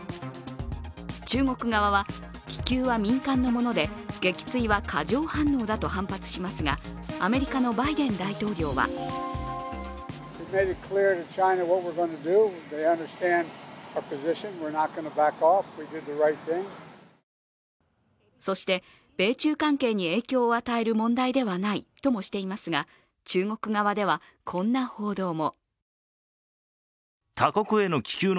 中国側は、気球は民間のもので撃墜は過剰反応だと反発しますがアメリカのバイデン大統領はそして、米中関係に影響を与える問題ではないとしていますが中国側ではこんな報道も。